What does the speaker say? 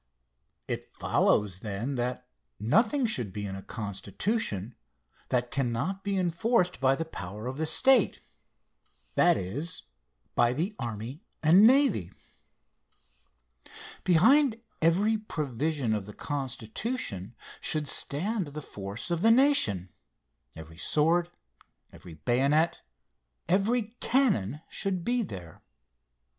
It follows, then, that nothing should be in a constitution that cannot be enforced by the power of the state that is, by the army and navy. Behind every provision of the Constitution should stand the force of the nation. Every sword, every bayonet, every cannon should be there.